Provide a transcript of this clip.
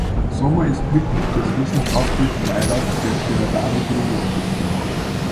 Sommer ist Mitglied des wissenschaftlichen Beirats der Giordano-Bruno-Stiftung.